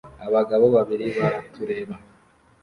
Abagabo babiri baratureba